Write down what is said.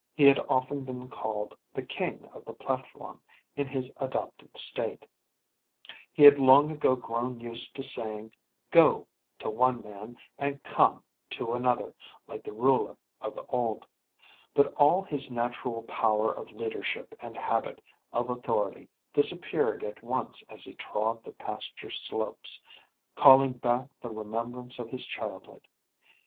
He had often been called the "king of the platform" in his adopted State. He had long ago grown used to saying "Go" to one man, and "Come" to another, like the ruler of old; but all his natural power of leadership and habit of authority disappeared at once as he trod the pasture slopes, calling back the remembrance of his childhood.